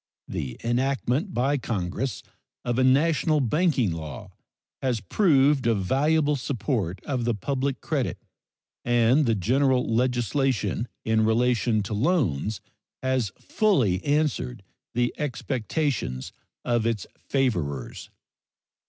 The enactment by Congress of a national banking law has proved a valuable support of the public credit and the general legislation in relation to loans has fully answered the expectations of its favorers.